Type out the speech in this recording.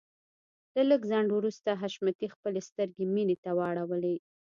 له لږ ځنډ وروسته حشمتي خپلې سترګې مينې ته واړولې.